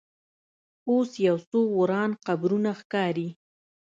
اوس یو څو وران قبرونه ښکاري.